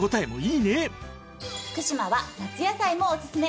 福島は夏野菜もおすすめ。